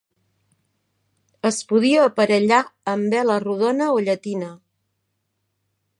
Es podia aparellar amb vela rodona o llatina.